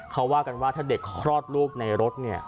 เขาว่ากันว่าถ้าเด็กคลอดลูกในรถเนี่ย